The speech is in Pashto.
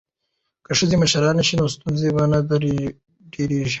که ښځې مشرانې شي نو ستونزې به نه ډیریږي.